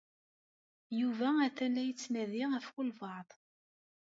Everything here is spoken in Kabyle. Yuba ha-t-an la yettnadi ɣef walbaɛḍ.